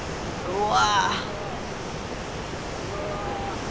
うわ。